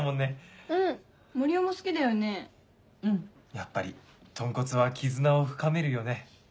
やっぱりとんこつは絆を深めるよね。